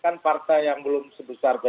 kalau pkb kan partai yang belum sebesar pdit